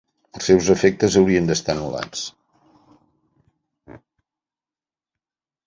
Els seus efectes haurien d'estar anul·lats.